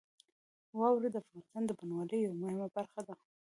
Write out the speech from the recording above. واوره د افغانستان د بڼوالۍ یوه مهمه برخه ده.